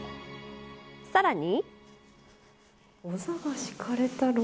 さらに。